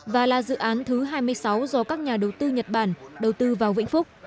và là dự án thứ hai mươi sáu do các nhà đầu tư nhật bản đầu tư vào vĩnh phúc